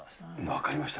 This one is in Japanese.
分かりました。